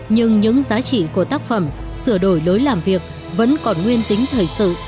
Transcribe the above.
nhưng những giá trị của tác phẩm sửa đổi lối làm việc vẫn còn nguyên tính thời sự